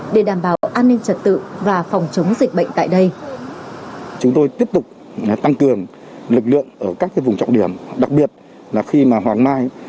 để đảm bảo an ninh trật tự và phòng chống dịch bệnh tại đây